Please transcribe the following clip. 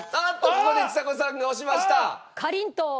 ここでちさ子さんが押しました。